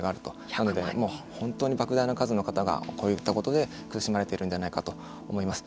なので本当にばく大な数の方がこういったことで苦しまれているんじゃないかと思います。